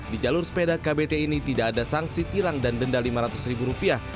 di jalur sepeda kbt ini tidak ada sanksi tilang dan denda lima ratus ribu rupiah